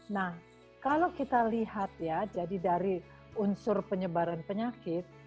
nah kalau kita lihat ya jadi dari unsur penyebaran penyakit